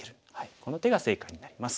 この手が正解になります。